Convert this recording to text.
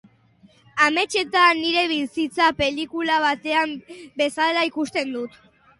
Ametsetan nire bizitza pelikula batean bezala ikusten dut.